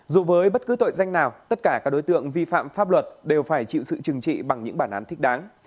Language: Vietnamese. dù với bất cứ tội danh nào tất cả các đối tượng vi phạm pháp luật đều phải chịu sự chừng trị bằng những bản án thích đáng